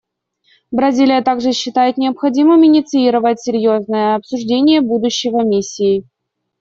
Бразилия также считает необходимым инициировать серьезное обсуждение будущего Миссии.